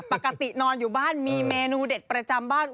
ปกตินอนอยู่บ้านมีเมนูเด็ดประจำบ้าน